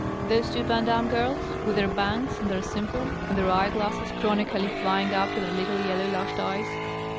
.. Those two Van Dam girls, with their bangs, and their simper, and their eye glasses chroni^ly flying up to their little yellow lashed eyes?